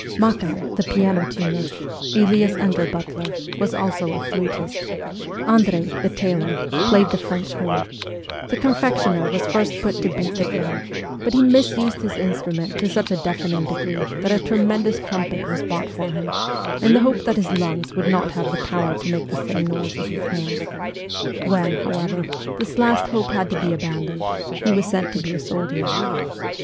Makar, the piano tuner, alias under butler, was also a flutist ; Andrei, the tailor, played the French horn ; the confectioner was first put to beat the drum, but he misused his instrument to such a deafening degree that a tremendous trumpet was bought for him, in the hope that his lungs would not have the power to make the same noise as his hands ; when, however, this last hope had to be abandoned , he was sent to be a soldier.